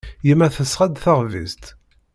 Yemma tesɣa-d taxbizt.